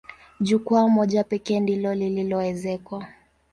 Jukwaa moja pekee ndilo lililoezekwa.